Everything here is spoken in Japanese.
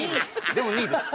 でも２位です。